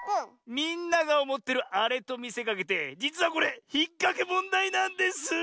みんながおもってるあれとみせかけてじつはこれひっかけもんだいなんです。